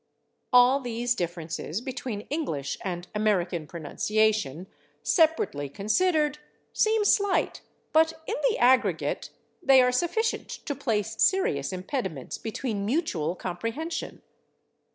" All these differences between English and American pronunciation, separately considered, seem slight, but in the aggregate they are sufficient to place serious impediments between mutual [Pg176] comprehension.